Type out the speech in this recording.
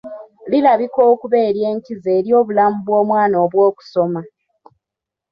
Lirabika okuba ery’enkizo eri obulamu bw’omwana obw’okusoma.